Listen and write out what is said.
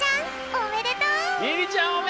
おめでとう！